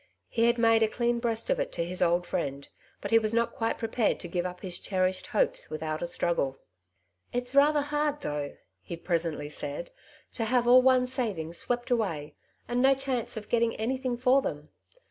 He had made a clean breast of it to his old friend, but he was not quite prepared to give up his cherished hopes without a struggle. " It's rather hard, though," he presently said, " to have all one's savings swept away, and no chance of gettiug anything for them.